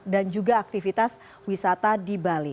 dan juga aktivitas wisata di bali